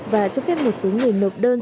và cho phép một số người nộp đơn